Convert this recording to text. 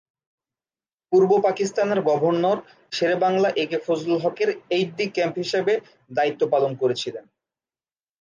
পূর্ব পাকিস্তানের গভর্নর শেরে বাংলা এ কে ফজলুল হকের এইড-ডি-ক্যাম্প হিসাবে দায়িত্ব পালন করেছিলেন।